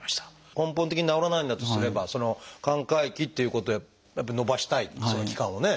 根本的に治らないんだとすればその寛解期ということをやっぱり延ばしたいその期間をね。